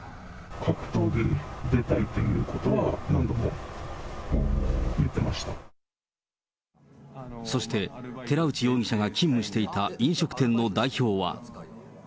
格闘技に出たいということは、そして、寺内容疑者が勤務していた飲食店の代表は。